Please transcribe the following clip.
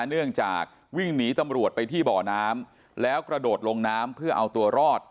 เนื่องจากวิ่งหนีตำรวจไปที่บ่อน้ำแล้วกระโดดลงน้ำเพื่อเอาตัวรอด